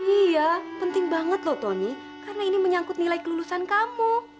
iya penting banget loh tony karena ini menyangkut nilai kelulusan kamu